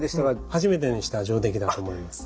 初めてにしては上出来だと思います。